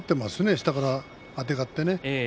下からあてがって。